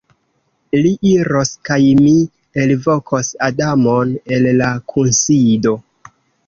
Li iros kaj mi elvokos Adamon el la kunsido.